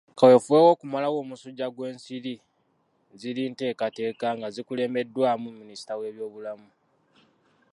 Kaweefube w'okumalawo omusujja gw'ensiri ziri nteekateeka nga zikulembeddwamu minisita w'ebyobulamu.